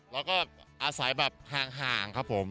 แล้วก็อาศัยแบบห่างครับผม